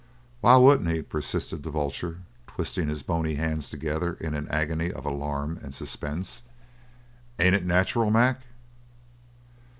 "Why wouldn't he?" persisted the vulture, twisting his bony hands together in an agony of alarm and suspense. "Ain't it nacheral, Mac?"